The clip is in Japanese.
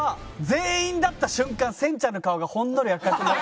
全員だった瞬間せんちゃんの顔がほんのり赤くなってる。